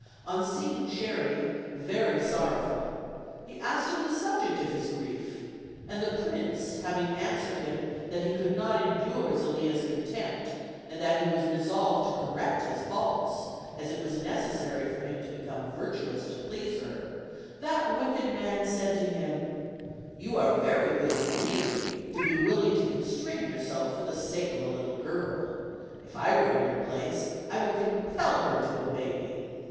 On seeing Cherry very sorrowful, he asked him the subject of his grief; and the prince having answered him that he could not endure Zelia's contempt, and that he was resolved to correct his faults, as it was necessary for him to become virtuous to please her, that wicked man said to him, "You are very good really, to be willing to constrain yourself for the sake of a little girl; if I were in your place I would com pel her to obey me.